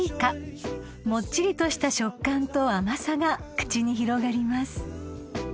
［もっちりとした食感と甘さが口に広がります］